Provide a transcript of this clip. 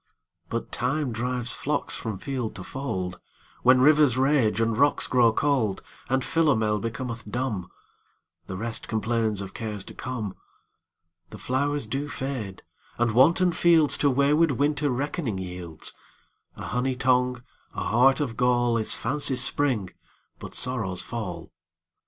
But Time drives flocks from field to fold; When rivers rage and rocks grow cold; And Philomel becometh dumb; The rest complains of cares to come. The flowers do fade, and wanton fieldsTo wayward Winter reckoning yields:A honey tongue, a heart of gall, Is fancy's spring, but sorrow's fall.